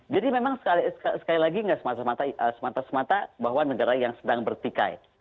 jadi memang sekali lagi nggak semata semata bahwa negara yang sedang bertikai